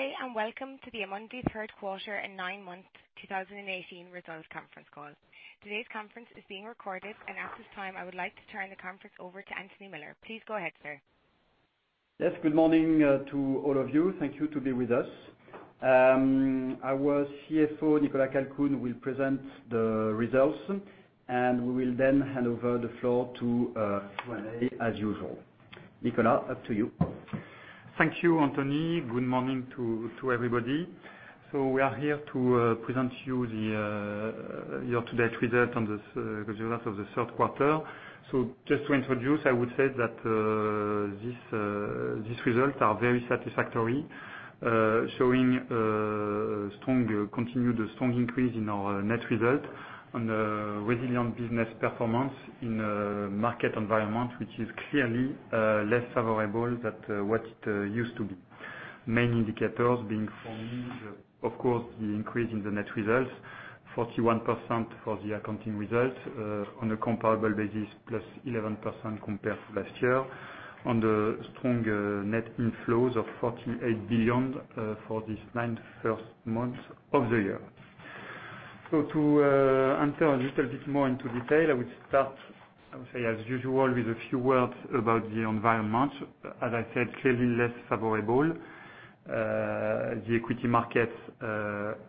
Good day, welcome to the Amundi third quarter and nine-month 2018 results conference call. Today's conference is being recorded. At this time, I would like to turn the conference over to Anthony Miller. Please go ahead, sir. Yes, good morning to all of you. Thank you to be with us. Our CFO, Nicolas Calcoen, will present the results. We will then hand over the floor to Q&A as usual. Nicolas, up to you. Thank you, Anthony. Good morning to everybody. We are here to present you the year-to-date results of the third quarter. Just to introduce, I would say that these results are very satisfactory, showing continued strong increase in our net results and a resilient business performance in a market environment, which is clearly less favorable than what it used to be. Main indicators being formed, of course, the increase in the net results, 41% for the accounting results on a comparable basis, plus 11% compared to last year, and the strong net inflows of 48 billion for this nine first months of the year. To enter a little bit more into detail, I would start, I would say, as usual, with a few words about the environment. As I said, clearly less favorable. The equity markets,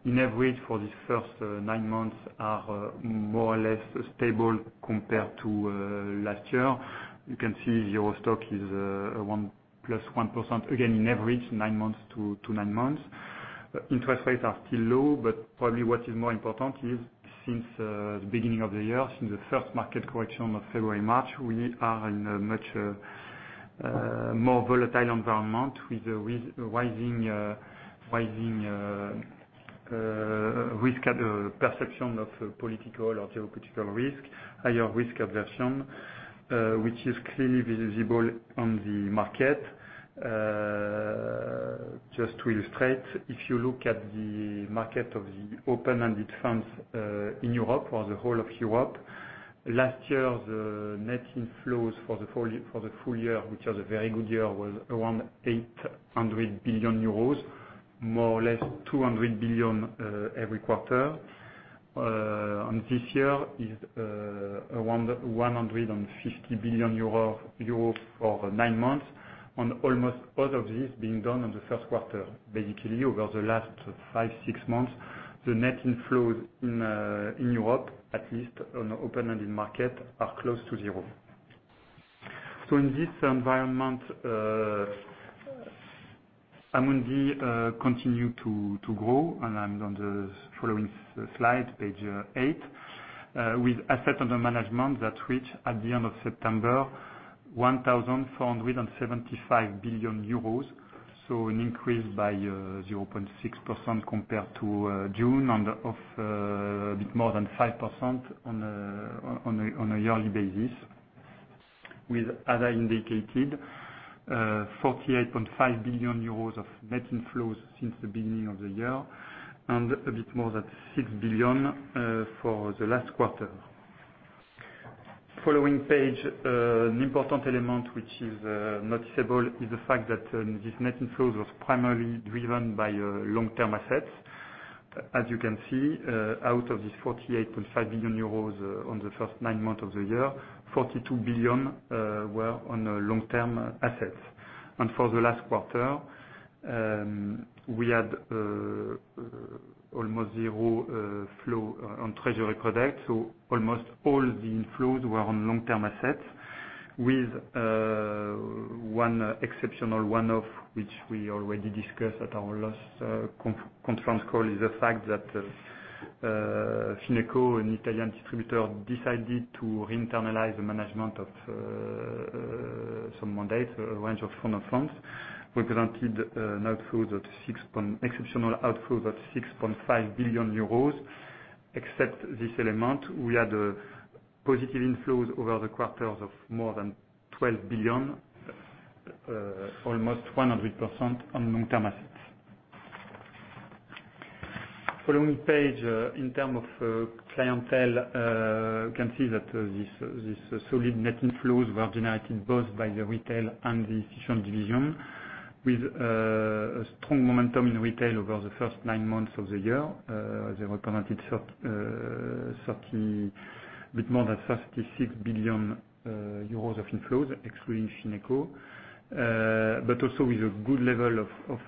in average for these first nine months, are more or less stable compared to last year. You can see the stock is plus 1%, again, in average, nine months to nine months. Interest rates are still low, but probably what is more important is since the beginning of the year, since the first market correction of February, March, we are in a much more volatile environment with rising risk perception of political or geopolitical risk, higher risk aversion, which is clearly visible on the market. Just to illustrate, if you look at the market of the open-ended funds in Europe or the whole of Europe, last year, the net inflows for the full year, which was a very good year, was around 800 billion euros, more or less 200 billion every quarter. This year is around 150 billion euros for nine months, and almost all of this being done on the first quarter. Over the last five, six months, the net inflows in Europe, at least on open-ended market, are close to zero. In this environment, Amundi continue to grow, and on the following slide, page eight, with asset under management that reach, at the end of September, 1,475 billion euros, so an increase by 0.6% compared to June and of a bit more than 5% on a yearly basis with, as I indicated, 48.5 billion euros of net inflows since the beginning of the year and a bit more than 6 billion for the last quarter. Following page, an important element which is noticeable is the fact that this net inflow was primarily driven by long-term assets. As you can see, out of this 48.5 billion euros on the first nine months of the year, 42 billion were on long-term assets. For the last quarter, we had almost zero flow on Treasury products, so almost all the inflows were on long-term assets with one exceptional one-off, which we already discussed at our last conference call, is the fact that Fineco, an Italian distributor, decided to internalize the management of some mandates, a range of fundamental funds, represented an exceptional outflow of 6.5 billion euros. Except this element, we had positive inflows over the quarters of more than 12 billion, almost 100% on long-term assets. Following page, in terms of clientele, you can see that these solid net inflows were generated both by the retail and the institutional division, with a strong momentum in retail over the first nine months of the year. They represented a bit more than 36 billion euros of inflows, excluding Fineco, but also with a good level of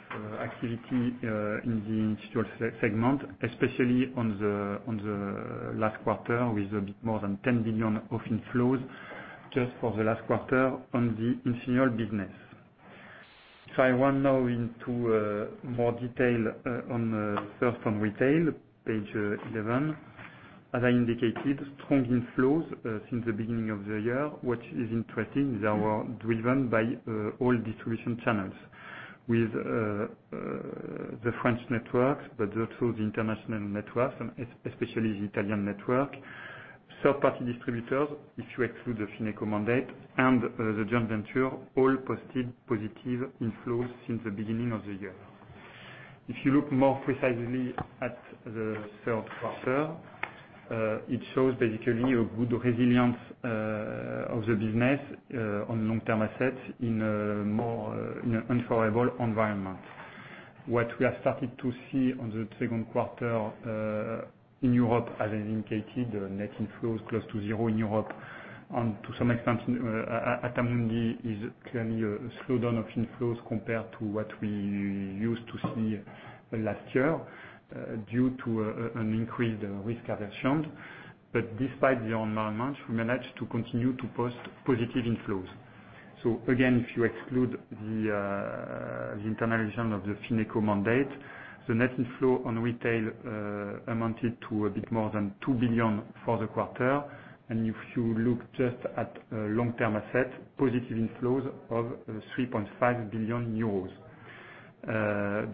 activity in the institutional segment, especially on the last quarter, with a bit more than 10 billion of inflows just for the last quarter on the institutional business. If I run now into more detail on first on retail, page 11. As I indicated, strong inflows since the beginning of the year. What is interesting, they were driven by all distribution channels with the French networks, but also the international networks, and especially the Italian network. Third-party distributors, if you exclude the Fineco mandate and the joint venture, all posted positive inflows since the beginning of the year. If you look more precisely at the third quarter. It shows a good resilience of the business on long-term assets in a more unfavorable environment. What we have started to see on the second quarter in Europe, as indicated, net inflows close to zero in Europe, and to some extent at Amundi, is clearly a slowdown of inflows compared to what we used to see last year due to an increased risk aversion. Despite the environment, we managed to continue to post positive inflows. Again, if you exclude the internalization of the Fineco mandate, the net inflow on retail amounted to a bit more than 2 billion for the quarter. If you look just at long-term assets, positive inflows of 3.5 billion euros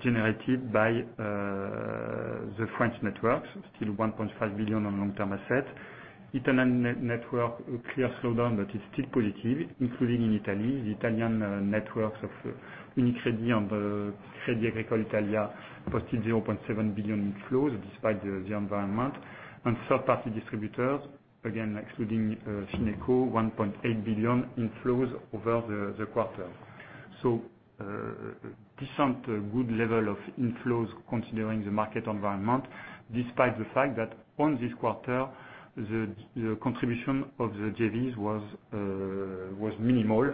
generated by the French networks, still 1.5 billion on long-term assets. Italian network, a clear slowdown, but it's still positive, including in Italy. The Italian networks of UniCredit and Crédit Agricole Italia posted 0.7 billion inflows despite the environment. Third-party distributors, again excluding Fineco, 1.8 billion inflows over the quarter. Decent good level of inflows considering the market environment, despite the fact that on this quarter, the contribution of the JVs was minimal.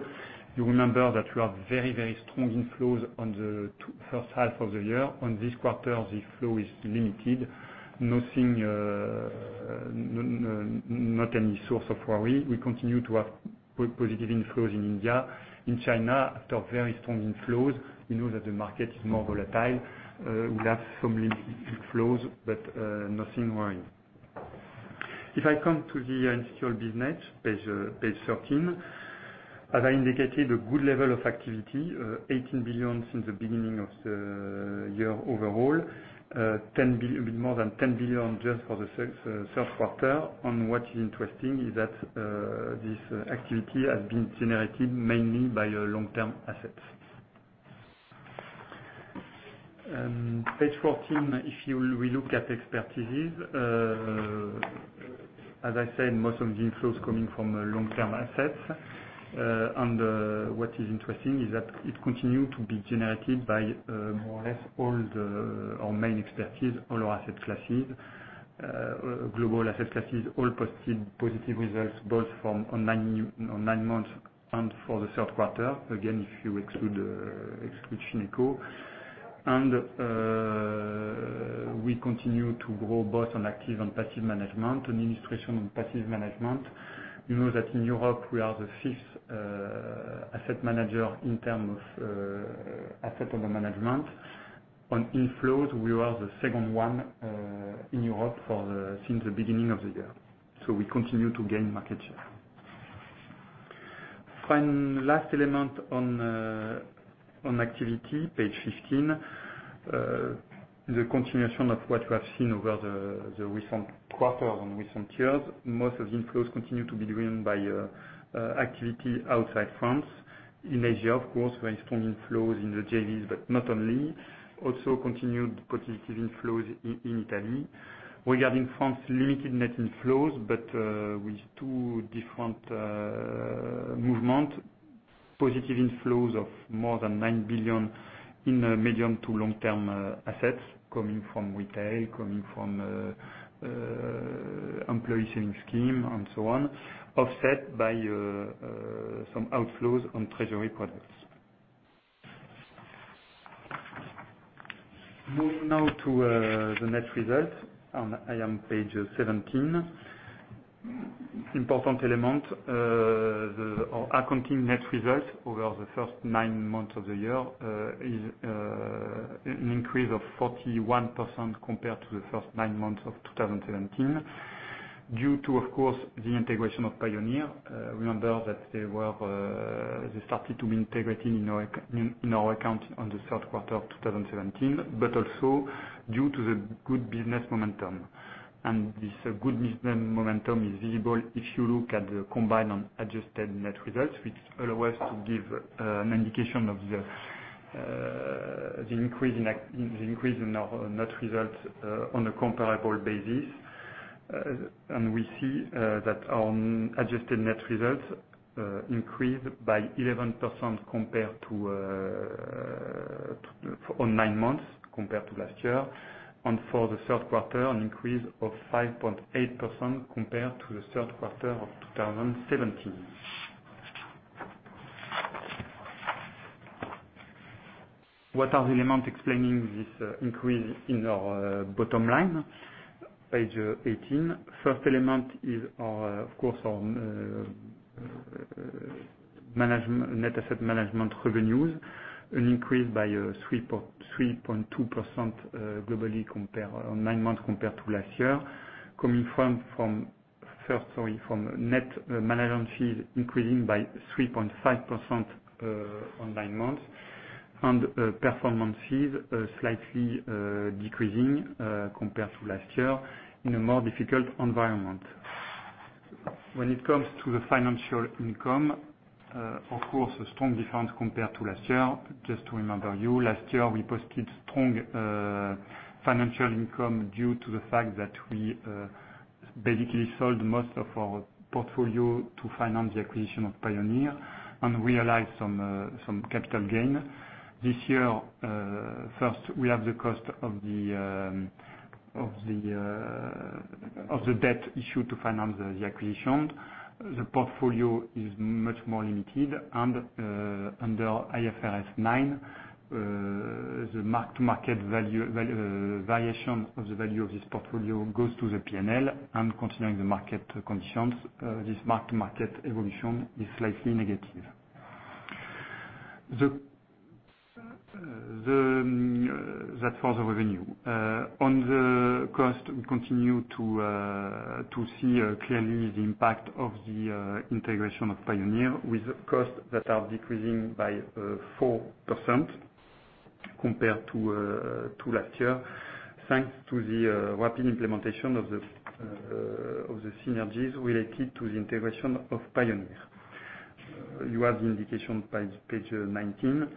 You remember that we have very strong inflows on the first half of the year. On this quarter, the flow is limited. Not any source of worry. We continue to have positive inflows in India. In China, after very strong inflows, we know that the market is more volatile. We have some inflows, but nothing worrying. If I come to the institutional business, page 13. As I indicated, a good level of activity, 18 billion since the beginning of the year overall, a bit more than 10 billion just for the third quarter. What is interesting is that this activity has been generated mainly by long-term assets. Page 14, if you will look at expertises. As I said, most of the inflows coming from long-term assets. What is interesting is that it continued to be generated by more or less all our main expertise, all our asset classes. Global asset classes all posted positive results, both on nine months and for the third quarter. Again, if you exclude Fineco. We continue to grow both on active and passive management, administration on passive management. You know that in Europe, we are the fifth asset manager in term of asset under management. On inflows, we are the second one in Europe since the beginning of the year. We continue to gain market share. Final last element on activity, page 15. The continuation of what we have seen over the recent quarter on recent years, most of the inflows continue to be driven by activity outside France. In Asia, of course, very strong inflows in the JVs, but not only. Also continued positive inflows in Italy. Regarding France, limited net inflows, but with two different movement. Positive inflows of more than 9 billion in medium to long-term assets coming from retail, coming from employee savings scheme and so on, offset by some outflows on Treasury products. Move now to the net results, I am page 17. Important element, our accounting net results over the first nine months of the year is an increase of 41% compared to the first nine months of 2017 due to, of course, the integration of Pioneer. Remember that they started to be integrated in our account on the third quarter of 2017, but also due to the good business momentum. This good business momentum is visible if you look at the combined and adjusted net results, which allow us to give an indication of the increase in our net results on a comparable basis. We see that our adjusted net results increased by 11% on nine months compared to last year. For the third quarter, an increase of 5.8% compared to the third quarter of 2017. What are the elements explaining this increase in our bottom line? Page 18. First element is, of course, our net asset management revenues, an increase by 3.2% globally on nine months compared to last year. Coming from net management fees increasing by 3.5% on nine months and performance fees slightly decreasing compared to last year in a more difficult environment. When it comes to the financial income, of course, a strong difference compared to last year. Just to remind you, last year, we posted strong financial income due to the fact that we basically sold most of our portfolio to finance the acquisition of Pioneer and realized some capital gain. This year, first, we have the cost of the debt issued to finance the acquisition. The portfolio is much more limited. Under IFRS 9, the mark-to-market variation of the value of this portfolio goes to the P&L, continuing the market conditions, this mark-to-market evolution is slightly negative. That's for the revenue. On the cost, we continue to see clearly the impact of the integration of Pioneer, with costs that are decreasing by 4% compared to last year. Thanks to the rapid implementation of the synergies related to the integration of Pioneer. You have the indication by page 19.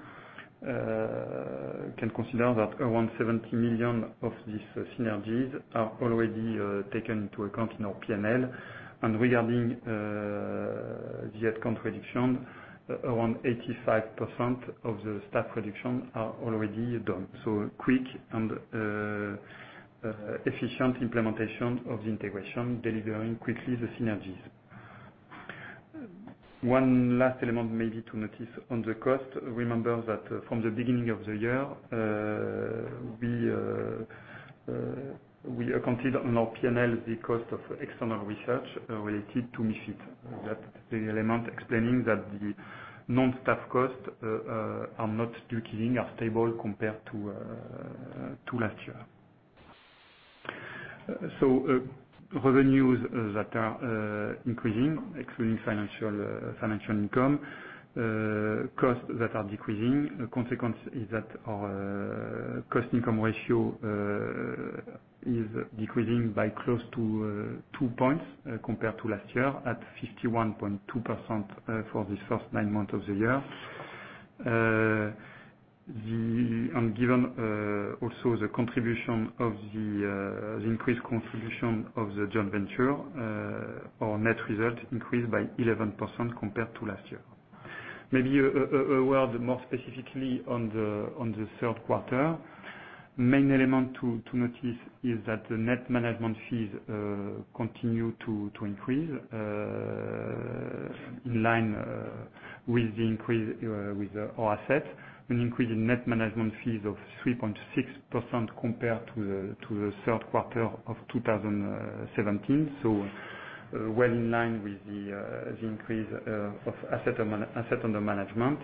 Can consider that around 70 million of these synergies are already taken into account in our P&L. Regarding the head count reduction, around 85% of the staff reduction are already done. Quick and efficient implementation of the integration, delivering quickly the synergies. One last element maybe to notice on the cost, remember that from the beginning of the year, we accounted on our P&L the cost of external research related to MiFID. That is the element explaining that the non-staff costs are not decreasing, are stable compared to last year. Revenues that are increasing, excluding financial income, costs that are decreasing. The consequence is that our cost-income ratio is decreasing by close to two points compared to last year, at 51.2% for this first nine months of the year. Given also the increased contribution of the joint venture, our net result increased by 11% compared to last year. Maybe a word more specifically on the third quarter. Main element to notice is that the net management fees continue to increase in line with our assets. An increase in net management fees of 3.6% compared to the third quarter of 2017. Well in line with the increase of assets under management.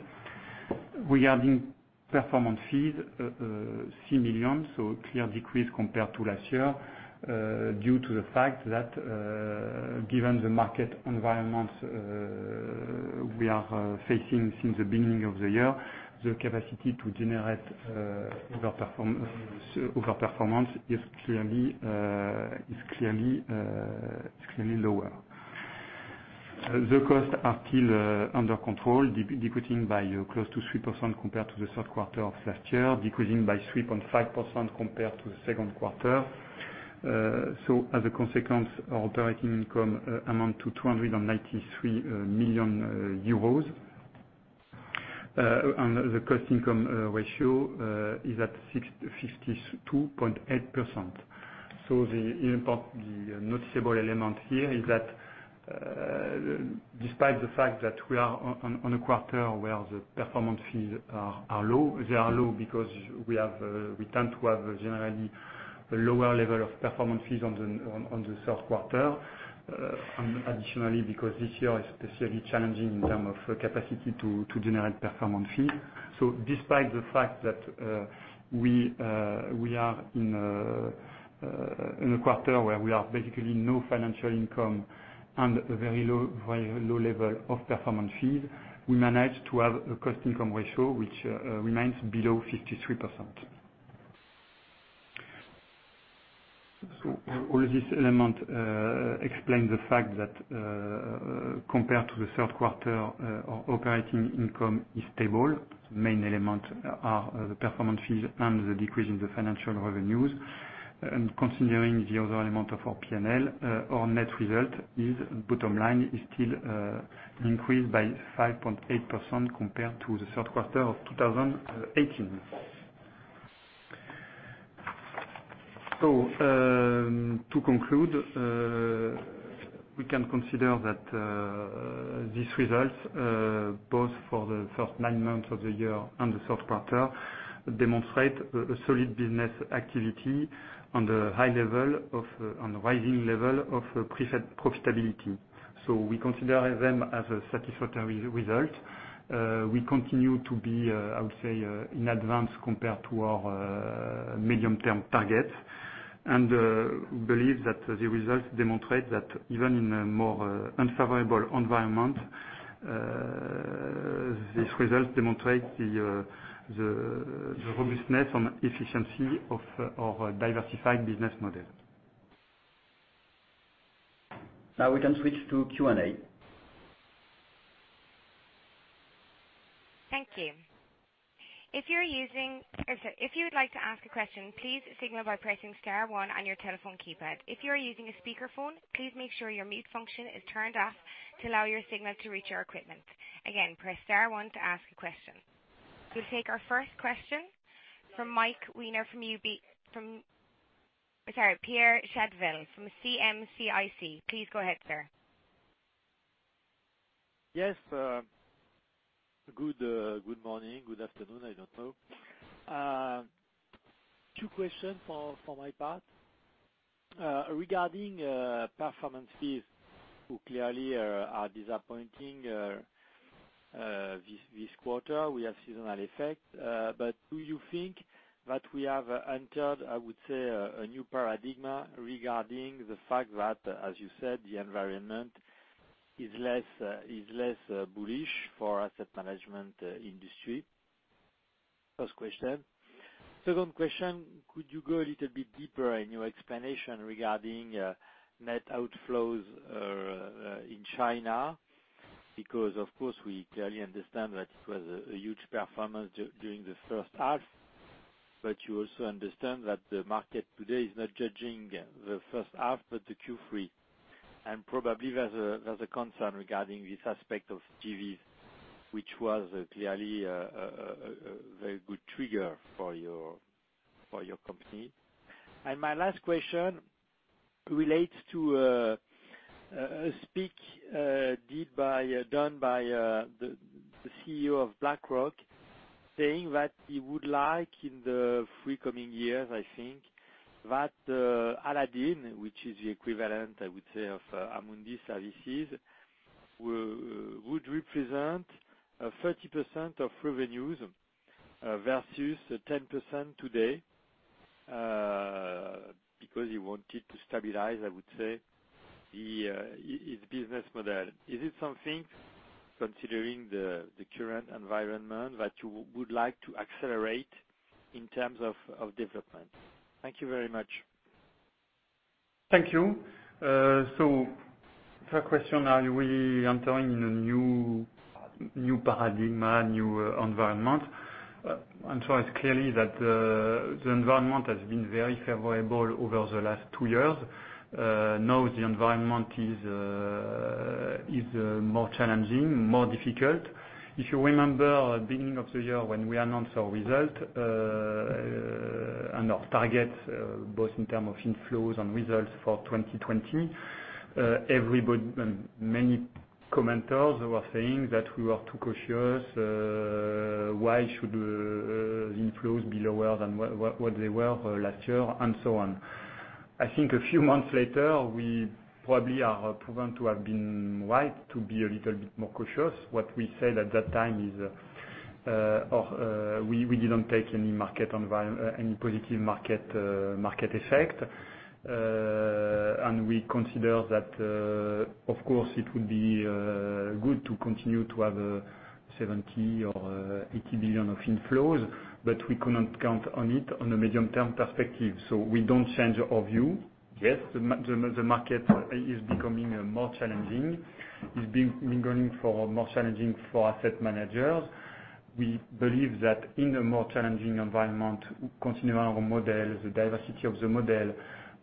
Regarding performance fees, 3 million, clear decrease compared to last year, due to the fact that given the market environment we are facing since the beginning of the year, the capacity to generate over-performance is clearly lower. The costs are still under control, decreasing by close to 3% compared to the third quarter of last year, decreasing by 3.5% compared to the second quarter. As a consequence, our operating income amount to 293 million euros, and the cost-income ratio is at 52.8%. The noticeable element here is that despite the fact that we are on a quarter where the performance fees are low, they are low because we tend to have generally a lower level of performance fees on the third quarter. Additionally because this year is especially challenging in term of capacity to generate performance fees. Despite the fact that we are in a quarter where we have basically no financial income and a very low level of performance fees, we managed to have a cost-income ratio which remains below 53%. All of these elements explain the fact that compared to the third quarter, our operating income is stable. Main element are the performance fees and the decrease in the financial revenues. Considering the other element of our P&L, our bottom line is still increased by 5.8% compared to the third quarter of 2018. To conclude, we can consider that these results, both for the first nine months of the year and the third quarter, demonstrate a solid business activity on the rising level of profitability. We consider them as a satisfactory result. We continue to be, I would say, in advance compared to our medium-term target, and believe that the results demonstrate that even in a more unfavorable environment. This result demonstrates the robustness and efficiency of our diversified business model. We can switch to Q&A. Thank you. If you would like to ask a question, please signal by pressing star one on your telephone keypad. If you are using a speakerphone, please make sure your mute function is turned off to allow your signal to reach our equipment. Again, press star one to ask a question. We'll take our first question from Pierre Chedeville from CM-CIC. Please go ahead, sir. Yes. Good morning, good afternoon, I don't know. Two questions for my part. Regarding performance fees, which clearly are disappointing this quarter, we have seasonal effect. Do you think that we have entered, I would say, a new paradigm regarding the fact that, as you said, the environment is less bullish for asset management industry? First question. Second question, could you go a little bit deeper in your explanation regarding net outflows in China? Of course we clearly understand that it was a huge performance during the first half. You also understand that the market today is not judging the first half, but the Q3. Probably there's a concern regarding this aspect of JVs, which was clearly a very good trigger for your company. My last question relates to a speak done by the CEO of BlackRock, saying that he would like in the three coming years, I think, that Aladdin, which is the equivalent, I would say, of Amundi Technology, would represent 30% of revenues versus 10% today, because he wanted to stabilize, I would say, his business model. Is it something, considering the current environment, that you would like to accelerate in terms of development? Thank you very much. Thank you. First question, are we entering in a new paradigm, new environment? The answer is clearly that the environment has been very favorable over the last two years. The environment is more challenging, more difficult. If you remember, beginning of the year when we announced our result and our targets, both in terms of inflows and results for 2020, many commenters were saying that we were too cautious. Why should inflows be lower than what they were last year and so on. A few months later, we probably are proven to have been right, to be a little bit more cautious. What we said at that time is, we didn't take any positive market effect. We consider that, of course it would be good to continue to have 70 billion or 80 billion of inflows, but we could not count on it on a medium-term perspective. We don't change our view. The market is becoming more challenging. It's been going for more challenging for asset managers. We believe that in a more challenging environment, considering our model, the diversity of the model,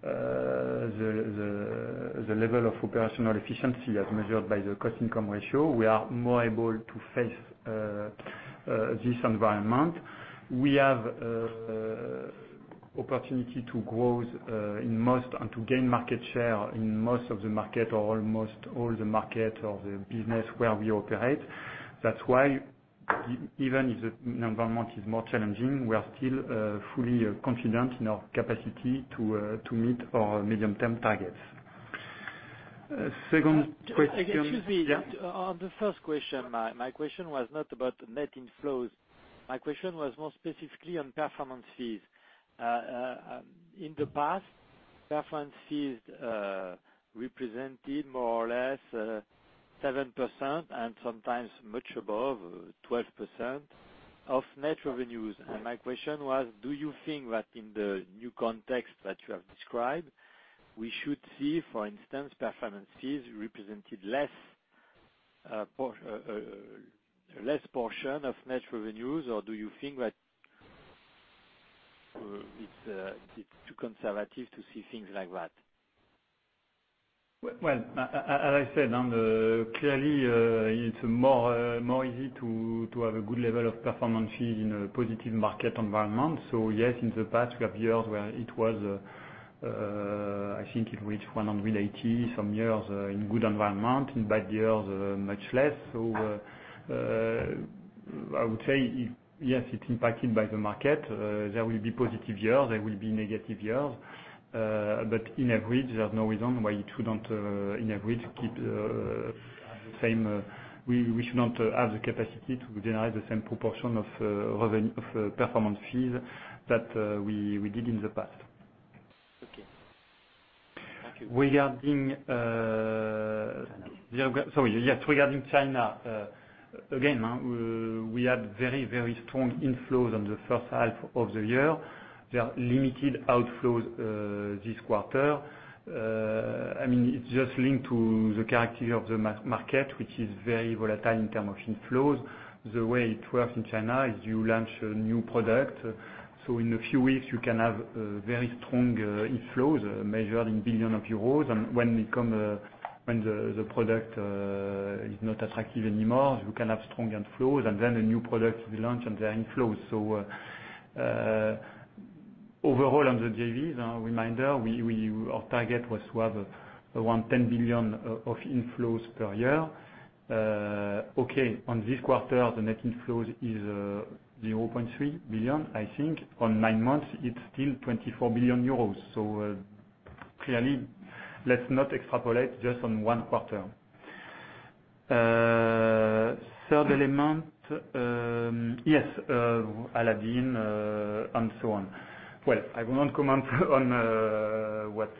the level of operational efficiency as measured by the cost-income ratio, we are more able to face this environment. We have opportunity to grow and to gain market share in most of the market, or almost all the market, or the business where we operate. Even if the environment is more challenging, we are still fully confident in our capacity to meet our medium-term targets. Second question. Excuse me. Yeah. On the first question, my question was not about net inflows. My question was more specifically on performance fees. In the past, performance fees represented more or less 7% and sometimes much above, 12% of net revenues. My question was, do you think that in the new context that you have described, we should see, for instance, performance fees represented less portion of net revenues? Do you think that it's too conservative to see things like that? Well, as I said, clearly it's more easy to have a good level of performance fee in a positive market environment. Yes, in the past we have years where it was, I think it reached 180 some years in good environment. In bad years, much less. I would say, yes, it's impacted by the market. There will be positive years, there will be negative years. In average, there's no reason why it shouldn't, in average, we should not have the capacity to generate the same proportion of performance fees that we did in the past. Okay. Thank you. Regarding- China. Sorry, yes. Regarding China, again, we had very, very strong inflows on the first half of the year. There are limited outflows this quarter. It's just linked to the character of the market, which is very volatile in term of inflows. The way it works in China is you launch a new product, in a few weeks you can have very strong inflows measured in billion of euros. When the product is not attractive anymore, you can have strong outflows, a new product will launch and there are inflows. Overall on the JVs, a reminder, our target was to have around 10 billion of inflows per year. On this quarter, the net inflows is 0.3 billion, I think. On nine months, it's still 24 billion euros. Clearly, let's not extrapolate just on one quarter. Third element, yes. Aladdin and so on. Well, I will not comment on what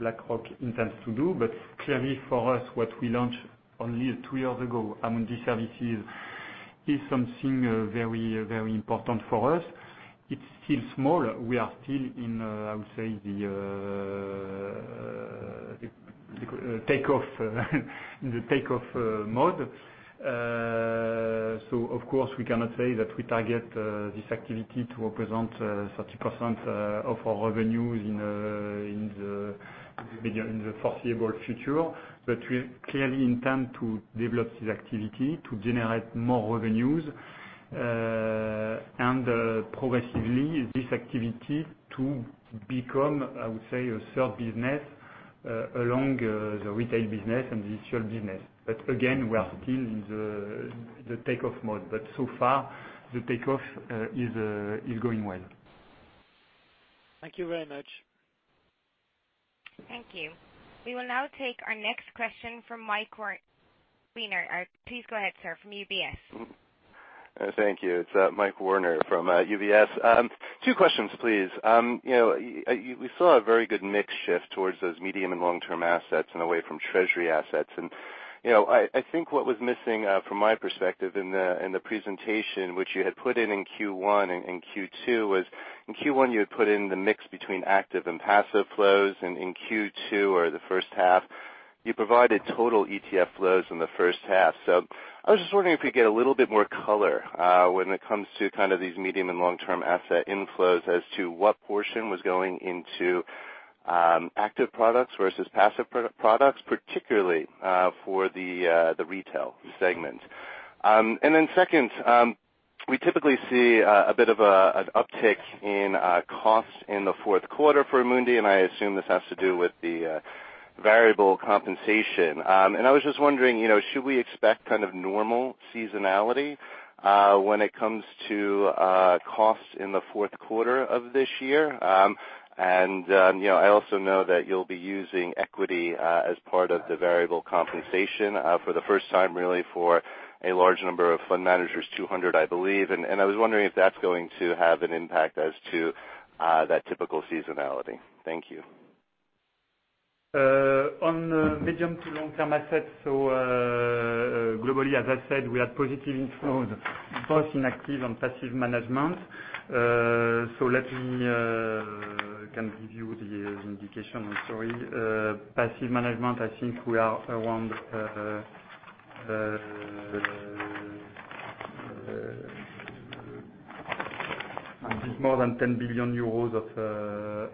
BlackRock intends to do, clearly for us, what we launched only two years ago, Amundi Technology, is something very important for us. It's still small. We are still in, I would say, the take-off mode. Of course, we cannot say that we target this activity to represent 30% of our revenues in the foreseeable future. We clearly intend to develop this activity to generate more revenues. Progressively, this activity to become, I would say, a third business, along the retail business and the institutional business. Again, we are still in the take-off mode. So far, the take-off is going well. Thank you very much. Thank you. We will now take our next question from Michael Werner. Please go ahead, sir. From UBS. Thank you. It's Michael Werner from UBS. Two questions, please. We saw a very good mix shift towards those medium and long-term assets and away from treasury assets. I think what was missing from my perspective in the presentation, which you had put in in Q1 and Q2, was in Q1 you had put in the mix between active and passive flows, and in Q2 or the first half, you provided total ETF flows in the first half. I was just wondering if you could give a little bit more color when it comes to these medium and long-term asset inflows as to what portion was going into active products versus passive products, particularly for the retail segment. Then second, we typically see a bit of an uptick in costs in the fourth quarter for Amundi, and I assume this has to do with the variable compensation. I was just wondering, should we expect kind of normal seasonality when it comes to costs in the fourth quarter of this year? I also know that you'll be using equity as part of the variable compensation for the first time, really, for a large number of fund managers, 200, I believe. I was wondering if that's going to have an impact as to that typical seasonality. Thank you. On medium- to long-term assets, globally, as I said, we had positive inflows both in active and passive management. Let me give you the indication. I'm sorry. Passive management, I think we are around more than 10 billion euros of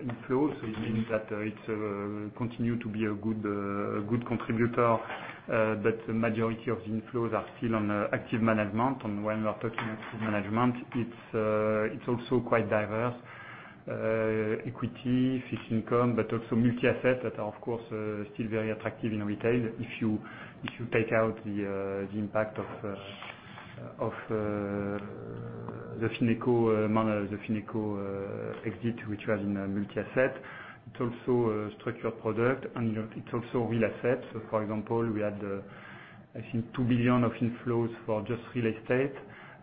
inflows. It means that it continues to be a good contributor. The majority of the inflows are still on active management. When we're talking active management, it's also quite diverse. Equity, fixed income, but also multi-asset that are of course still very attractive in retail. If you take out the impact of the FinecoBank exit, which was in multi-asset. It's also a structured product, and it's also real asset. For example, we had, I think, 2 billion of inflows for just real estate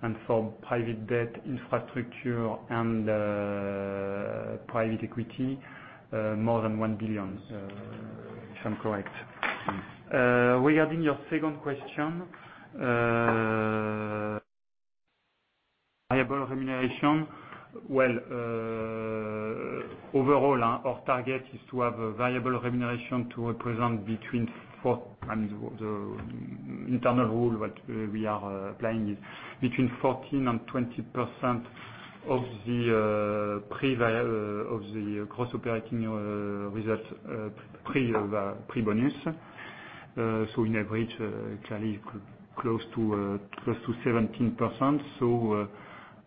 and for private debt infrastructure and private equity, more than 1 billion, if I'm correct. Regarding your second question, variable remuneration. Well, overall, our target is to have a variable remuneration to represent between four, and the internal rule that we are applying is between 14% and 20% of the gross operating results pre-bonus. On average, clearly close to 17%.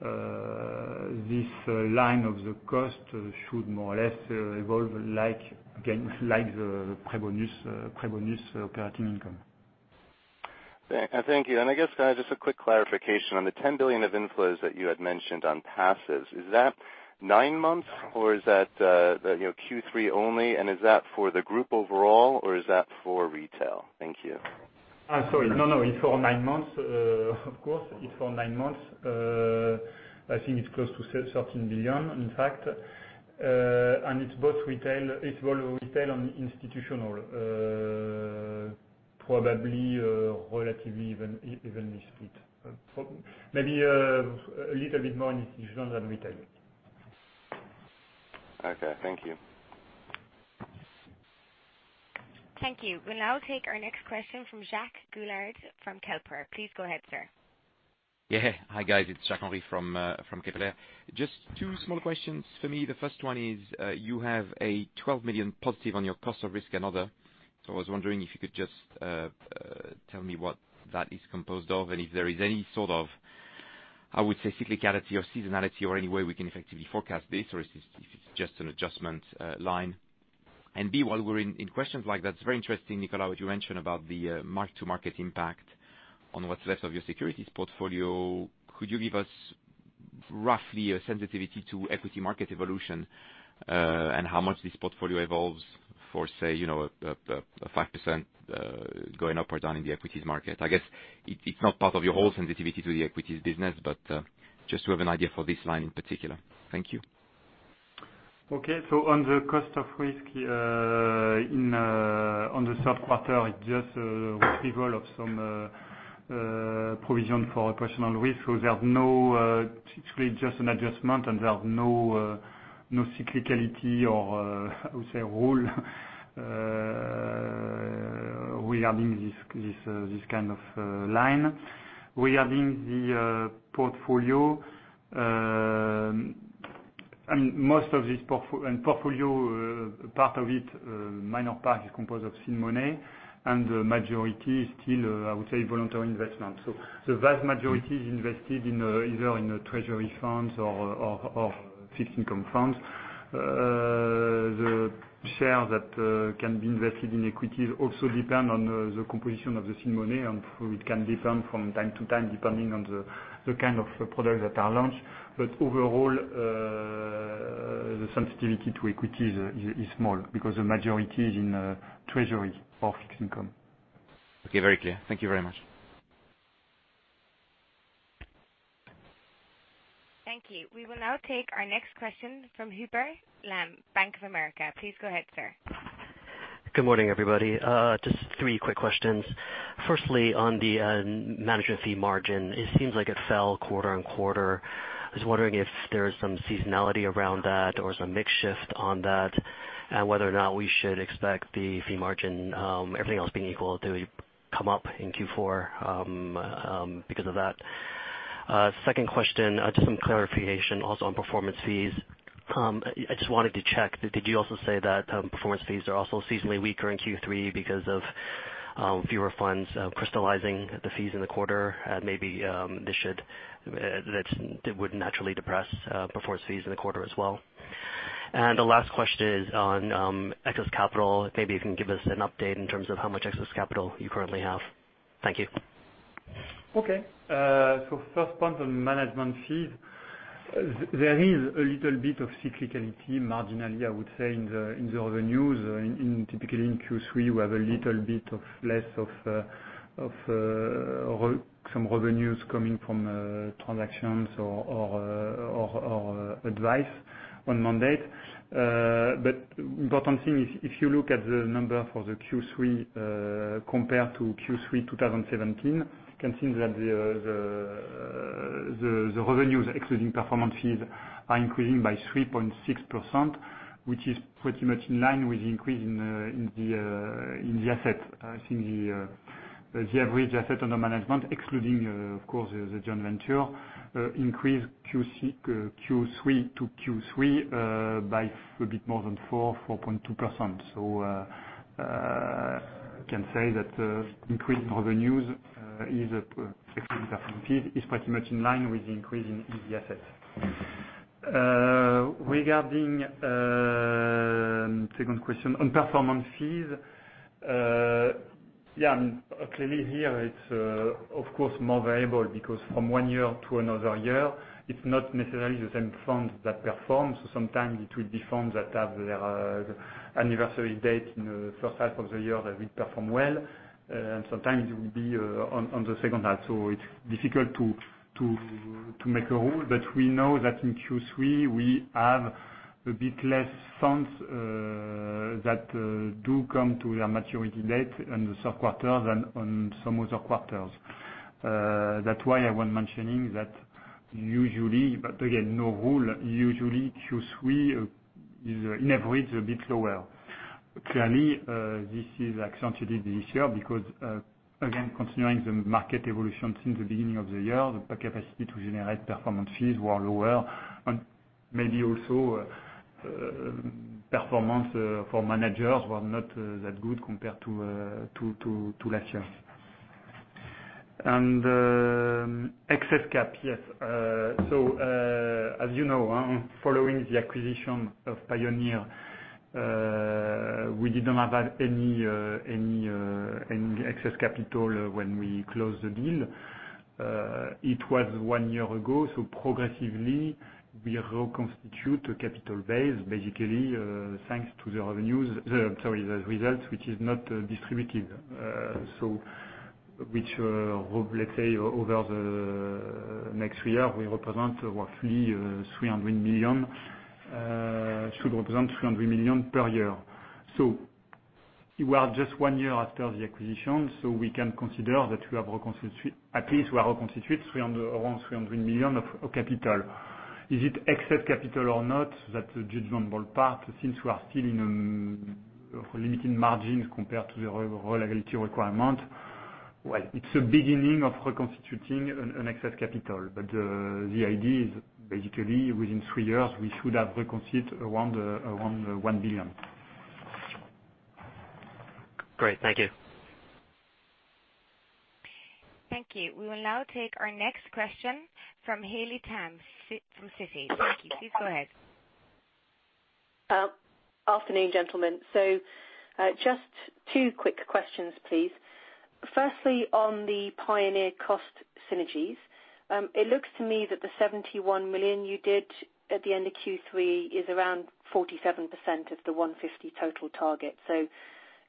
This line of the cost should more or less evolve like the pre-bonus operating income. Thank you. I guess, guys, just a quick clarification. On the 10 billion of inflows that you had mentioned on passive, is that nine months or is that Q3 only? Is that for the group overall? Or is that for retail? Thank you. Sorry. No, it's for nine months, of course. It's for nine months. I think it's close to $13 billion, in fact, and it's both retail and institutional, probably relatively evenly split. Maybe a little bit more institutional than retail. Okay, thank you. Thank you. We'll now take our next question from Jacques Gaulard from Kepler Cheuvreux. Please go ahead, sir. Yeah. Hi, guys. It's Jacques-Henri from Kepler Cheuvreux. Just two small questions for me. The first one is, you have a 12 million positive on your cost of risk another, so I was wondering if you could just tell me what that is composed of, and if there is any sort of, I would say, cyclicality or seasonality or any way we can effectively forecast this, or if it's just an adjustment line. B, while we're in questions like that, it's very interesting, Nicolas, what you mentioned about the mark-to-market impact on what's left of your securities portfolio. Could you give us roughly a sensitivity to equity market evolution? And how much this portfolio evolves for, say, a 5% going up or down in the equities market. I guess it's not part of your whole sensitivity to the equities business, just to have an idea for this line in particular. Thank you. Okay. On the cost of risk on the third quarter, it is just a retrieval of some provision for professional risk. It is really just an adjustment, and there are no cyclicality or, I would say, rule regarding this kind of line. Regarding the portfolio, a minor part is composed of seed money, and the majority is still, I would say, voluntary investment. The vast majority is invested either in Treasury funds or fixed income funds. The share that can be invested in equities also depend on the composition of the seed money, and it can differ from time to time, depending on the kind of products that are launched. Overall, the sensitivity to equity is small, because the majority is in Treasury or fixed income. Okay. Very clear. Thank you very much. Thank you. We will now take our next question from Hubert Lam, Bank of America. Please go ahead, sir. Good morning, everybody. Just three quick questions. Firstly, on the management fee margin, it seems like it fell quarter-on-quarter. I was wondering if there is some seasonality around that or some mix shift on that, and whether or not we should expect the fee margin, everything else being equal, to come up in Q4 because of that. Second question, just some clarification also on performance fees. I just wanted to check. Did you also say that performance fees are also seasonally weaker in Q3 because of fewer funds crystallizing the fees in the quarter? Maybe that would naturally depress performance fees in the quarter as well. The last question is on excess capital. Maybe you can give us an update in terms of how much excess capital you currently have. Thank you. Okay. First point on management fees, there is a little bit of cyclicality, marginally, I would say, in the revenues. Typically in Q3, we have a little bit less of some revenues coming from transactions or advice on mandate. Important thing is, if you look at the number for the Q3 compared to Q3 2017, you can see that the revenues excluding performance fees are increasing by 3.6%, which is pretty much in line with the increase in the assets. I think the average assets under management, excluding, of course, the joint venture, increased Q3 to Q3 by a bit more than 4.2%. Can say that increase in revenues excluding performance fees is pretty much in line with the increase in the assets. Regarding second question on performance fees. Clearly here it's of course more variable, because from one year to another year, it's not necessarily the same funds that perform. Sometimes it will be funds that have their anniversary date in the first half of the year that will perform well, and sometimes it will be on the second half. It's difficult to make a rule. We know that in Q3, we have a bit less funds that do come to their maturity date in the third quarter than on some other quarters. That's why I was mentioning that usually, but again, no rule, usually Q3 is on average a bit lower. This is accentuated this year because, again, continuing the market evolution since the beginning of the year, the capacity to generate performance fees were lower, and maybe also performance for managers were not that good compared to last year. Excess cap. Yes. As you know, following the acquisition of Pioneer, we didn't have any excess capital when we closed the deal. It was one year ago. Progressively we reconstitute a capital base, basically, thanks to the results, which is not distributed. Which, let's say over the next three years, should represent 300 million per year. We are just one year after the acquisition, so we can consider that we have at least reconstituted around EUR 300 million of capital. Is it excess capital or not? That's the judgement ballpark, since we are still in limited margins compared to the regulatory requirement. Well, it's a beginning of reconstituting an excess capital. The idea is, basically within three years, we should have reconstituted around 1 billion. Great. Thank you. Thank you. We will now take our next question from Haley Tam from Citi. Thank you. Please go ahead. Afternoon, gentlemen. Just two quick questions, please. Firstly, on the Pioneer cost synergies. It looks to me that the 71 million you did at the end of Q3 is around 47% of the 150 total target.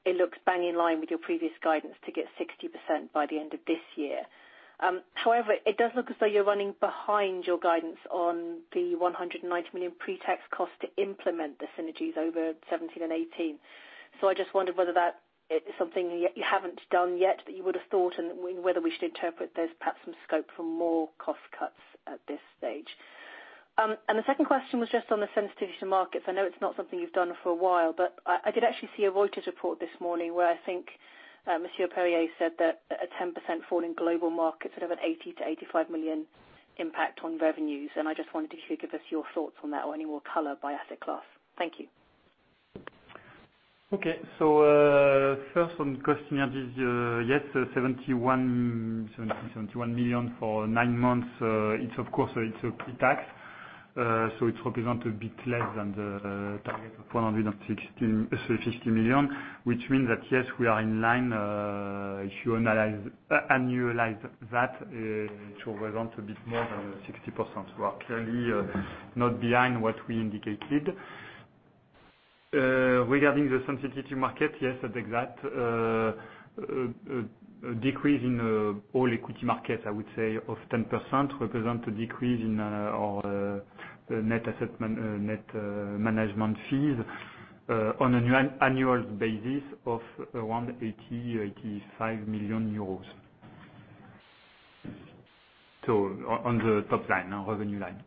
It looks bang in line with your previous guidance to get 60% by the end of this year. However, it does look as though you are running behind your guidance on the 190 million pre-tax cost to implement the synergies over 2017 and 2018. I just wondered whether that is something you haven't done yet, that you would have thought, and whether we should interpret there is perhaps some scope for more cost cuts at this stage. The second question was just on the sensitivity to markets. I know it's not something you've done for a while, I did actually see a Reuters report this morning where I think Monsieur Perrier said that a 10% fall in global markets would have an 80 million to 85 million impact on revenues, I just wondered if you could give us your thoughts on that or any more color by asset class. Thank you. Okay. First on cost synergies. Yes, 70 million, 71 million for nine months. Of course, it's a pre-tax, it represents a bit less than the target of 160 million. Which means that, yes, we are in line. If you annualize that, it should represent a bit more than 60%. We are clearly not behind what we indicated. Regarding the sensitivity market, yes, at exact decrease in all equity markets, I would say of 10%, represent a decrease in our net management fees on an annual basis of around 80 million, 85 million euros. On the top line, our revenue line.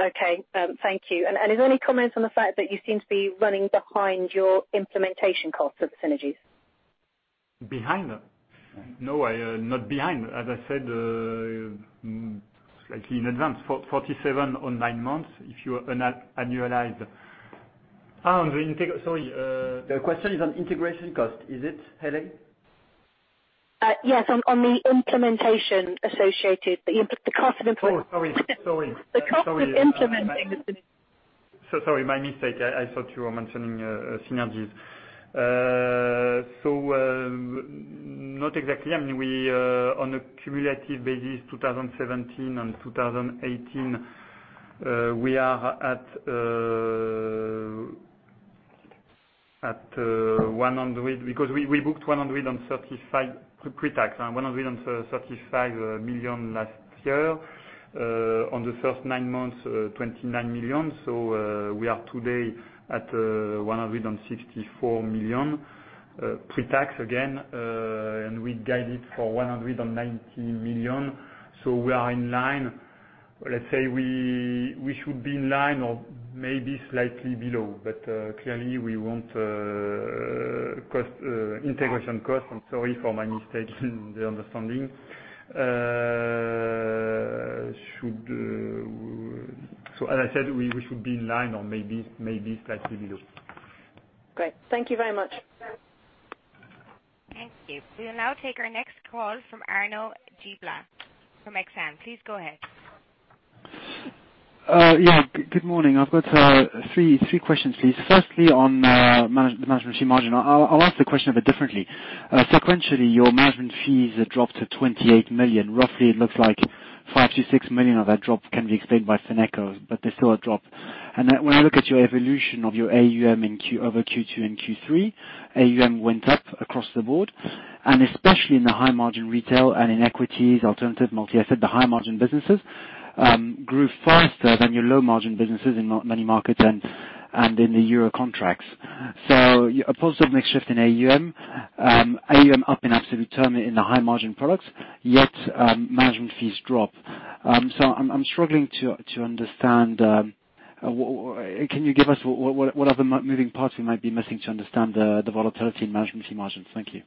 Okay. Thank you. Is there any comment on the fact that you seem to be running behind your implementation cost of synergies? Behind? No, not behind. As I said, slightly in advance, 47 million on nine months if you annualize. Sorry, the question is on integration cost. Is it, Haley? Yes, on the implementation associated, the cost of implementing. Sorry. My mistake. I thought you were mentioning synergies. Not exactly. On a cumulative basis, 2017 and 2018, we booked 135 pre-tax, 135 million last year. On the first nine months, 29 million. We are today at 164 million, pre-tax again, and we guided for 190 million. We are in line. Let's say we should be in line or maybe slightly below. Clearly we want integration cost. I'm sorry for my mistake in the understanding. As I said, we should be in line or maybe slightly below. Great. Thank you very much. Thank you. We will now take our next call from Arnaud Giblat from Exane. Please go ahead. Good morning. I have got three questions, please. Firstly, on the management fee margin, I will ask the question a bit differently. Sequentially, your management fees have dropped to 28 million. Roughly it looks like 5 million-6 million of that drop can be explained by FinecoBank, but there is still a drop. Then when I look at your evolution of your AUM over Q2 and Q3, AUM went up across the board, and especially in the high margin retail and in equities, alternative, multi-asset, the high margin businesses, grew faster than your low margin businesses in many markets and in the euro contracts. A positive mix shift in AUM. AUM up in absolute term in the high margin products, yet management fees drop. I am struggling to understand. Can you give us what are the moving parts we might be missing to understand the volatility in management fee margins? Thank you.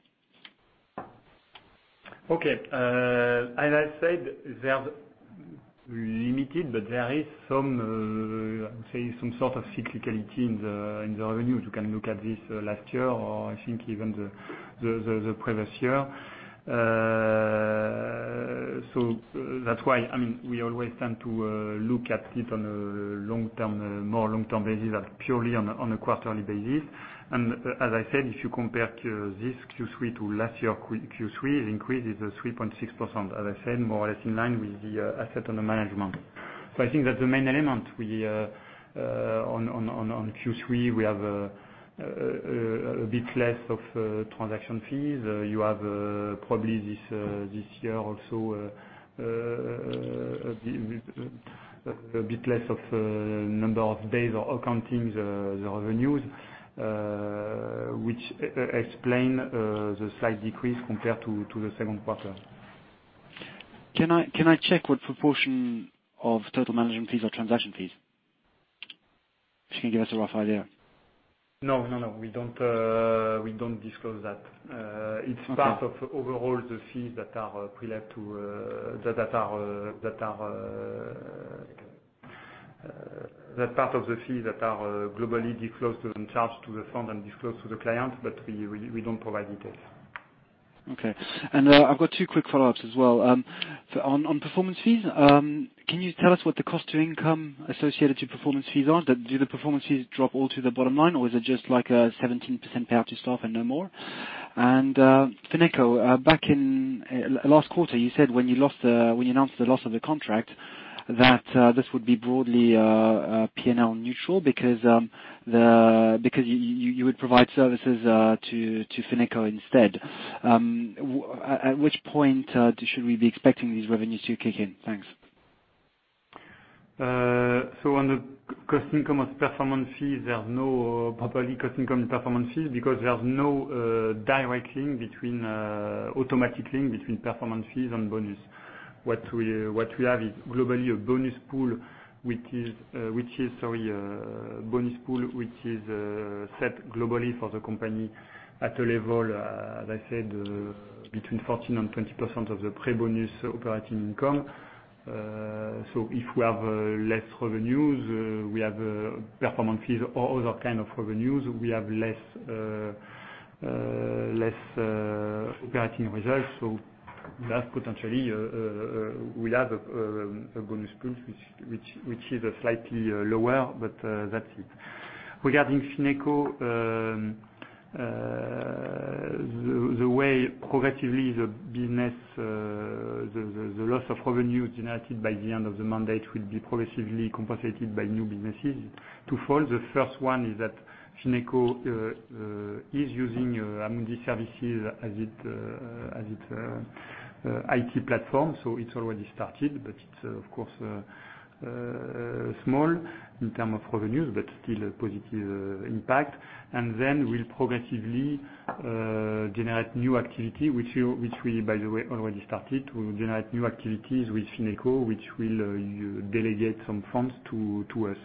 Okay. As I said, they are limited, but there is some sort of cyclicality in the revenue. You can look at this last year or I think even the previous year. That's why we always tend to look at it on a more long-term basis than purely on a quarterly basis. As I said, if you compare this Q3 to last year Q3, the increase is 3.6%, as I said, more or less in line with the assets under management. I think that's the main element. On Q3, we have a bit less of transaction fees. You have probably this year also a bit less of number of days or accounting the revenues, which explain the slight decrease compared to the second quarter. Can I check what proportion of total management fees are transaction fees? If you can give us a rough idea. No. We don't disclose that. Okay. It's part of overall the fees that are globally disclosed and charged to the fund and disclosed to the client, but we don't provide details. Okay. I've got two quick follow-ups as well. On performance fees, can you tell us what the cost to income associated to performance fees are? Do the performance fees drop all to the bottom line, or is it just like a 17% payout to staff and no more? FinecoBank, last quarter you said when you announced the loss of the contract that this would be broadly P&L neutral because you would provide services to FinecoBank instead. At which point should we be expecting these revenues to kick in? Thanks. On the cost income of performance fees, there are no properly cost income performance fees because there's no automatic link between performance fees and bonus. What we have is globally a bonus pool which is set globally for the company at a level, as I said, between 14 and 20% of the pre-bonus operating income. If we have less revenues, we have performance fees or other kind of revenues, we have less operating results. We'll have a bonus pool which is slightly lower, but that's it. Regarding FinecoBank, the way progressively the loss of revenues generated by the end of the mandate will be progressively compensated by new businesses. To follow the first one is that FinecoBank is using Amundi services as its IT platform. It's already started, but it's of course small in term of revenues, but still a positive impact. We'll progressively generate new activity which we, by the way, already started to generate new activities with FinecoBank, which will delegate some funds to us.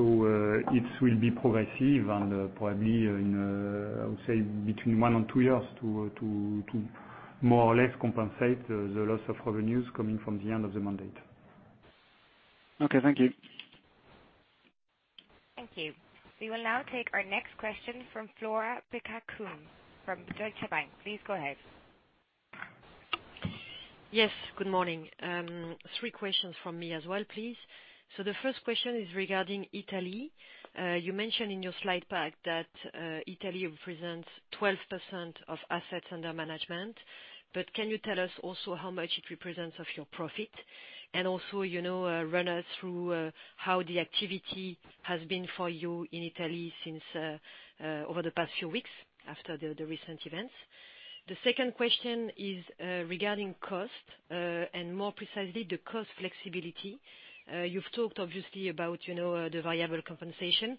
It will be progressive and probably in, I would say, between one and two years to more or less compensate the loss of revenues coming from the end of the mandate. Okay, thank you. Thank you. We will now take our next question from Flora Bocahut from Deutsche Bank. Please go ahead. Yes, good morning. Three questions from me as well, please. The first question is regarding Italy. You mentioned in your slide pack that Italy represents 12% of assets under management, but can you tell us also how much it represents of your profit? Also, run us through how the activity has been for you in Italy over the past few weeks after the recent events. The second question is regarding cost, and more precisely, the cost flexibility. You've talked obviously about the variable compensation.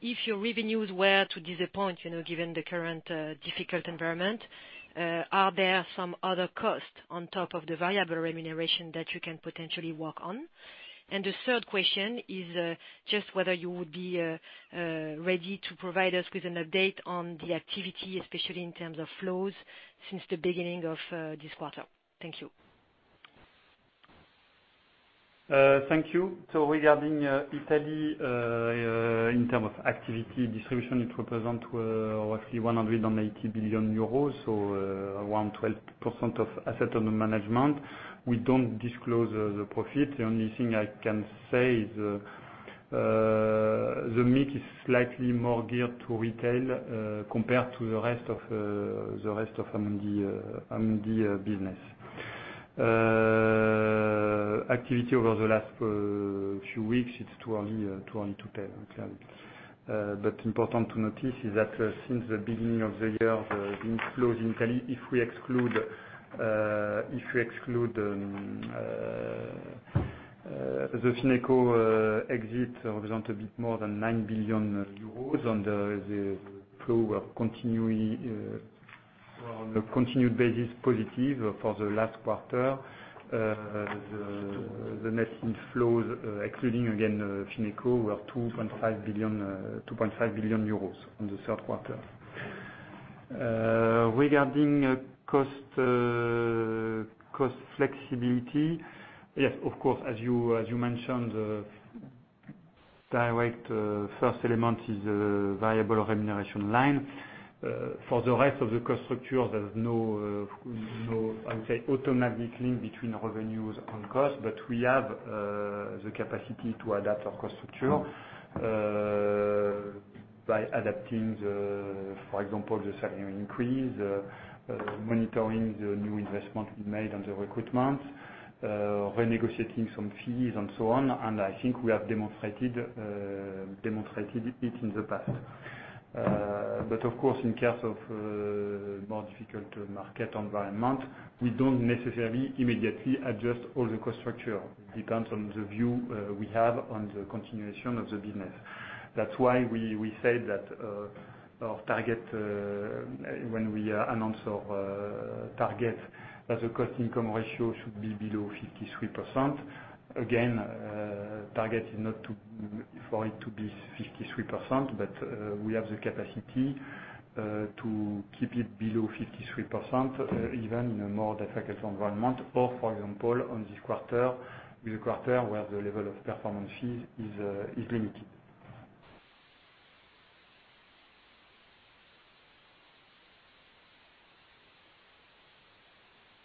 If your revenues were to disappoint, given the current difficult environment, are there some other costs on top of the variable remuneration that you can potentially work on? The third question is just whether you would be ready to provide us with an update on the activity, especially in terms of flows since the beginning of this quarter. Thank you. Thank you. Regarding Italy, in term of activity distribution, it represent roughly 180 billion euros. Around 12% of assets under management. We don't disclose the profit. The only thing I can say is the mix is slightly more geared to retail compared to the rest of Amundi business. Activity over the last few weeks, it's too early to tell, clearly. Important to notice is that since the beginning of the year, the inflows in Italy, if we exclude the FinecoBank exit, represent a bit more than EUR 9 billion, and the flow were on a continued basis positive for the last quarter. The net inflows, excluding again, FinecoBank, were 2.5 billion euros on the third quarter. Regarding cost flexibility, yes, of course, as you mentioned the first element is the variable remuneration line. For the rest of the cost structure, there's no, I would say, automatic link between revenues and cost, but we have the capacity to adapt our cost structure by adapting, for example, the salary increase, monitoring the new investment we made on the recruitment, renegotiating some fees and so on. I think we have demonstrated it in the past. Of course, in case of a more difficult market environment, we don't necessarily immediately adjust all the cost structure. It depends on the view we have on the continuation of the business. That's why we said that our target, when we announce our target, that the cost-income ratio should be below 53%. Again, target is not for it to be 53%, but we have the capacity to keep it below 53%, even in a more difficult environment, or for example, in the quarter where the level of performance fees is limited.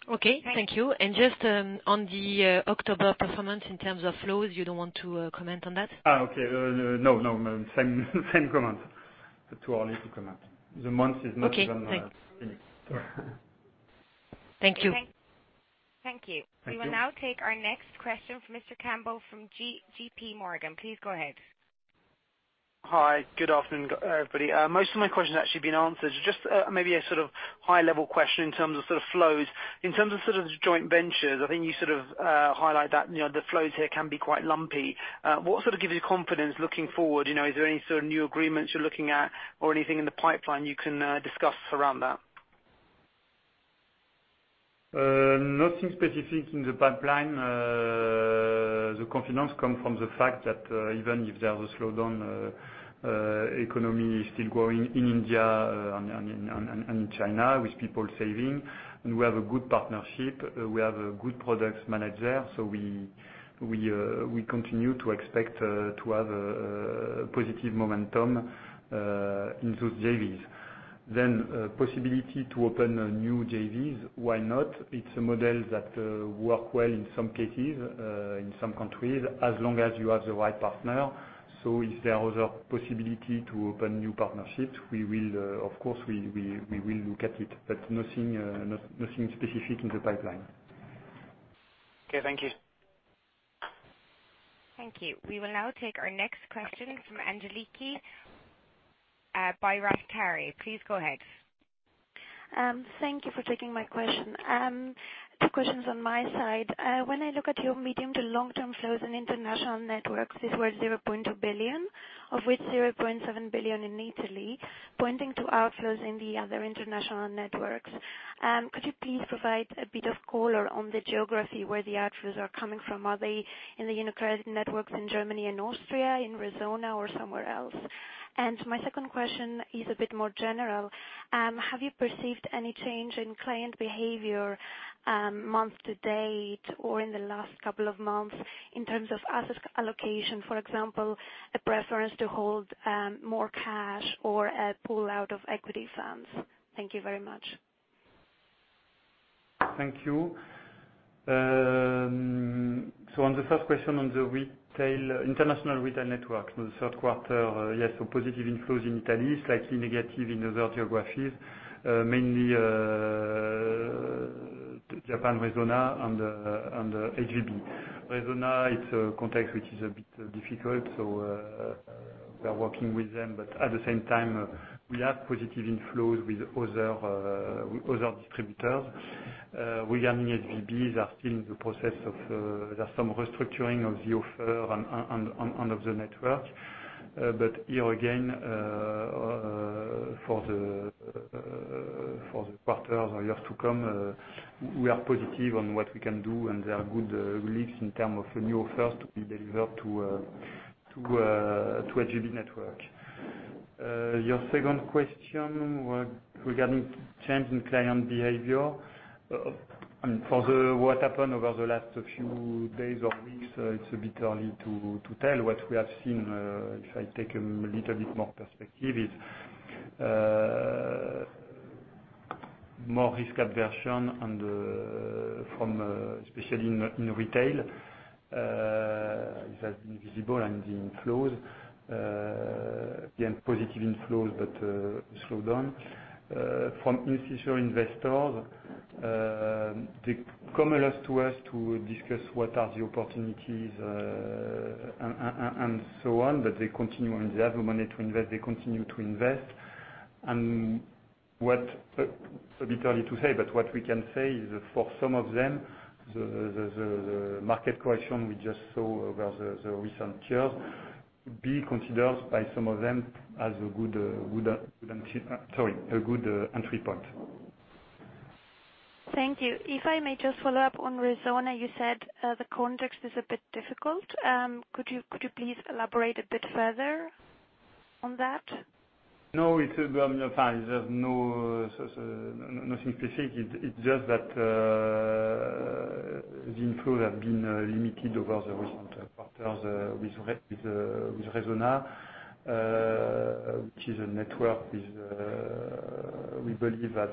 Okay, thank you. Just on the October performance in terms of flows, you don't want to comment on that? Okay. No, same comment. Too early to comment. The month is not even finished. Okay, thanks. Thank you. Thank you. Thank you. We will now take our next question from Mr. Campbell from J.P. Morgan. Please go ahead. Hi. Good afternoon, everybody. Most of my questions have actually been answered. Just maybe a sort of high level question in terms of sort of flows. In terms of sort of joint ventures, I think you sort of highlight that the flows here can be quite lumpy. What sort of gives you confidence looking forward? Is there any sort of new agreements you're looking at or anything in the pipeline you can discuss around that? Nothing specific in the pipeline. The confidence comes from the fact that even if there's a slowdown, economy is still growing in India and China, with people saving. We have a good partnership. We have a good product manager. We continue to expect to have a positive momentum in those JVs. Possibility to open new JVs, why not? It's a model that works well in some cases, in some countries, as long as you have the right partner. If there is a possibility to open new partnerships, of course we will look at it, but nothing specific in the pipeline. Okay, thank you. Thank you. We will now take our next question from Angeliki Bairaktari. Please go ahead. Thank you for taking my question. Two questions on my side. When I look at your medium to long-term flows in international networks, it's worth 0.2 billion, of which 0.7 billion in Italy, pointing to outflows in the other international networks. Could you please provide a bit of color on the geography where the outflows are coming from? Are they in the UniCredit networks in Germany and Austria, in Resona or somewhere else? My second question is a bit more general. Have you perceived any change in client behavior month to date or in the last couple of months in terms of asset allocation, for example, a preference to hold more cash or a pull out of equity funds? Thank you very much. Thank you. On the first question, on the international retail network for the third quarter, yes, positive inflows in Italy, slightly negative in other geographies. Mainly, Japan, Resona and HVB. Resona, it's a context which is a bit difficult. We are working with them, but at the same time, we have positive inflows with other distributors. Regarding HVBs, they are still in the process of some restructuring of the offer and of the network. Here again, for the quarter or years to come, we are positive on what we can do, and there are good leads in term of new offers to be delivered to HVB network. Your second question regarding change in client behavior. For what happened over the last few days or weeks, it's a bit early to tell. What we have seen, if I take a little bit more perspective, is more risk aversion, especially in retail. That's been visible in the inflows. Again, positive inflows, slowed down. From institutional investors, they come to us to discuss what are the opportunities, and so on. They have the money to invest, they continue to invest. A bit early to say, what we can say is for some of them, the market correction we just saw over the recent years be considered by some of them as a good, sorry, a good entry point. Thank you. If I may just follow up on Resona, you said the context is a bit difficult. Could you please elaborate a bit further on that? No, it's fine. There's nothing specific. It's just the inflows have been limited over the recent quarters with Resona, which is a network with, we believe, has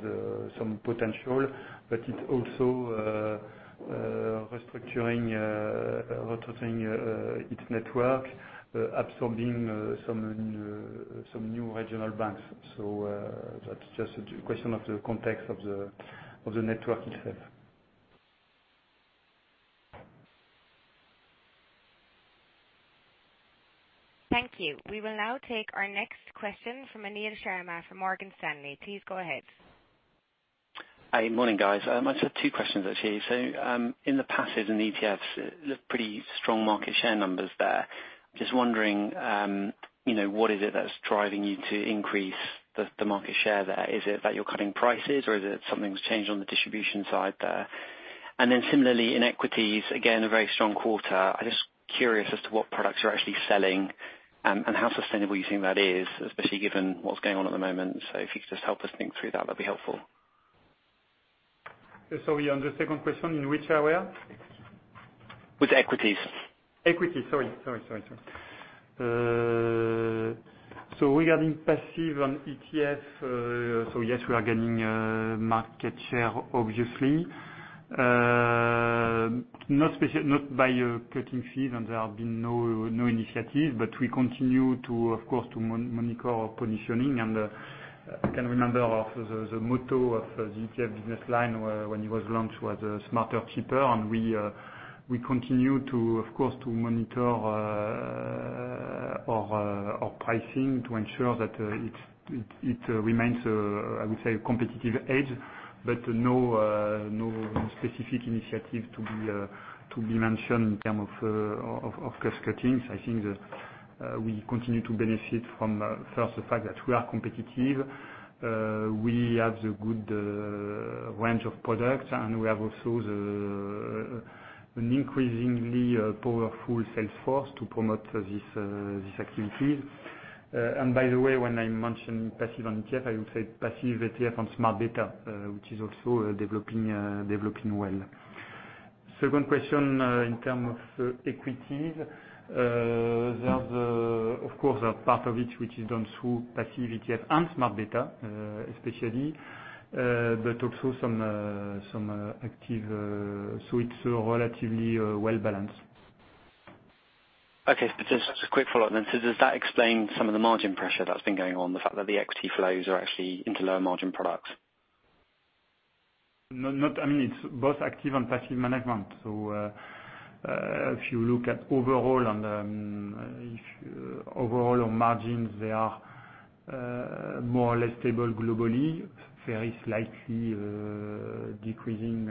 some potential. It's also restructuring its network, absorbing some new regional banks. That's just a question of the context of the network itself. Thank you. We will now take our next question from Anil Sharma from Morgan Stanley. Please go ahead. Hi. Morning, guys. I just have two questions, actually. In the passive and ETFs, pretty strong market share numbers there. Just wondering, what is it that's driving you to increase the market share there? Is it that you're cutting prices, or is it something's changed on the distribution side there? Similarly, in equities, again, a very strong quarter. I'm just curious as to what products you're actually selling and how sustainable you think that is, especially given what's going on at the moment. If you could just help us think through that'd be helpful. Sorry, on the second question, in which area? With equities. Equities. Sorry. Regarding passive on ETF, yes, we are gaining market share, obviously. Not by cutting fees, and there have been no initiatives, but we continue, of course, to monitor our positioning and can remember the motto of the ETF business line when it was launched was smarter, cheaper, and we continue, of course, to monitor our pricing to ensure that it remains, I would say, competitive edge, but no specific initiative to be mentioned in terms of cost-cutting. I think we continue to benefit from, first, the fact that we are competitive. We have the good range of products, and we have also an increasingly powerful sales force to promote these activities. By the way, when I mention passive on ETF, I would say passive ETF on smart beta, which is also developing well. Second question, in terms of equities. Of course, part of it, which is done through passive ETF and smart beta, especially, but also some active. It's relatively well-balanced. Okay. Just a quick follow-up then. Does that explain some of the margin pressure that's been going on, the fact that the equity flows are actually into lower margin products? No. It's both active and passive management. If you look at overall on margins, they are more or less stable globally, very slightly decreasing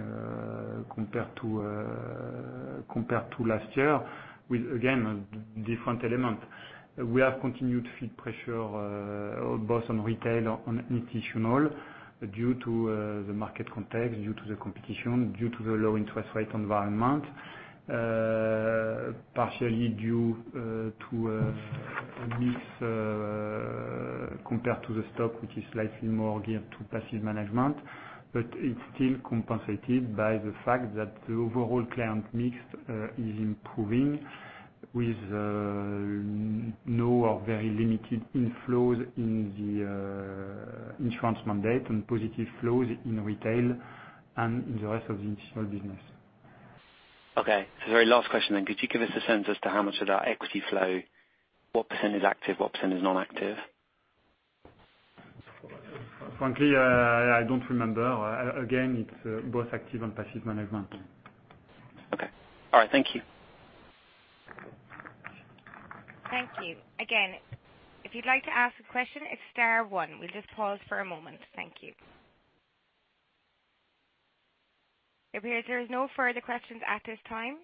compared to last year, with again, different element. We have continued to feel pressure both on retail and on institutional due to the market context, due to the competition, due to the low interest rate environment. Partially due to a mix compared to the stock which is slightly more geared to passive management. It's still compensated by the fact that the overall client mix is improving with no or very limited inflows in the insurance mandate and positive flows in retail and in the rest of the institutional business. Okay. Very last question. Could you give us a sense as to how much of that equity flow, what % is active, what % is non-active? Frankly, I don't remember. Again, it's both active and passive management. Okay. All right. Thank you. Thank you. Again, if you'd like to ask a question, it's star one. We'll just pause for a moment. Thank you. It appears there is no further questions at this time.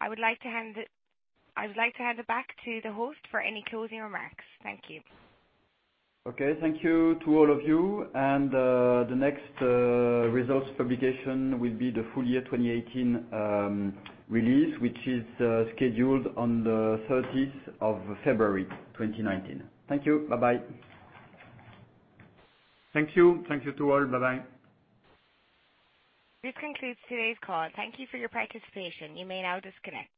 I would like to hand it back to the host for any closing remarks. Thank you. Okay. Thank you to all of you. The next results publication will be the full year 2018 release, which is scheduled on the 13th of February 2019. Thank you. Bye-bye. Thank you. Thank you to all. Bye-bye. This concludes today's call. Thank you for your participation. You may now disconnect.